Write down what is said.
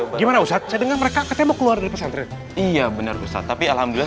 wabarakatuh saya dengar mereka ketemu keluar dari pesantren iya benar tetapi alhamdulillah